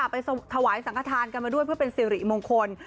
ไปถวายสังขทานกันมาด้วยเพื่อเป็นสิริมงคล